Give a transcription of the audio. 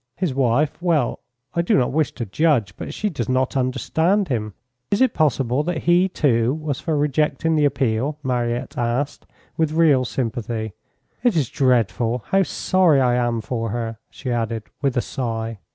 "His wife? Well, I do not wish to judge, but she does not understand him." "Is it possible that he, too, was for rejecting the appeal?" Mariette asked with real sympathy. "It is dreadful. How sorry I am for her," she added with a sigh.